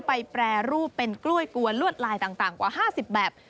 ไปแปลรูปเป็นกล้วยกวนเลือดลายต่างกว่าห้าสิบแบบ